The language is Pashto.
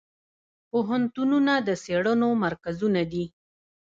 پوهنتونونه د څیړنو مرکزونه دي.